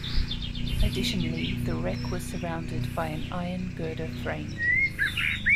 Additionally the wreck was surrounded by an iron girder frame.